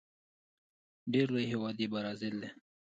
ډیر لوی هیواد یې برازيل دی.